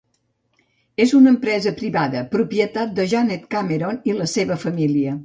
És una empresa privada, propietat de Janet Cameron i la seva família.